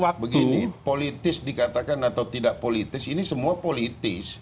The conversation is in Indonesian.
begini politis dikatakan atau tidak politis ini semua politis